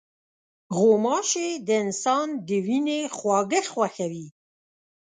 غوماشې د انسان د وینې خواږه خوښوي.